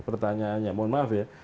pertanyaannya mohon maaf ya